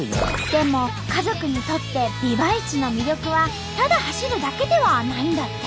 でも家族にとってビワイチの魅力はただ走るだけではないんだって。